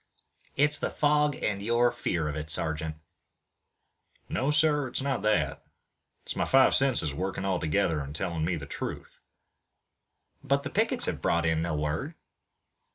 "It's the fog and your fear of it, sergeant." "No, sir; it's not that. It's my five senses working all together and telling me the truth." "But the pickets have brought in no word."